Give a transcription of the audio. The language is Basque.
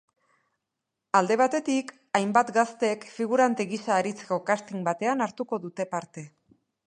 Alde batetik, hainbat gaztek figurante gisa aritzeko casting batean hartuko dute parte.